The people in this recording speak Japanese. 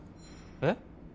えっ？